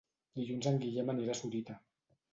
Dilluns en Guillem anirà a Sorita.